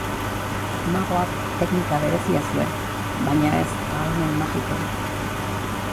Magoak teknika berezia zuen, baina ez ahalmen magikorik.